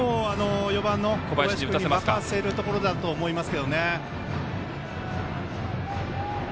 ４番の小林君に任せるところだと思います。